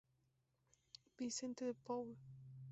Vincente de Paul.